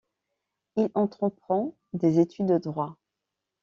Il entreprend des études de droit.